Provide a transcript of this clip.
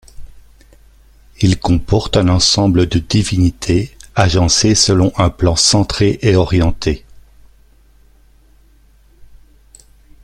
Il comporte un ensemble de divinités agencées selon un plan centré et orienté.